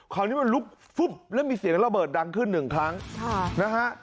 คราวนี้มันลุกฟุ๊บแล้วมีเสียงระเบิดดังขึ้นหนึ่งครั้งนะฮะ